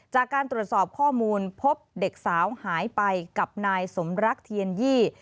จากการตรวจสอบข้อมูลพบเด็กสาวหายไปกับนายสมรักเทียนยี่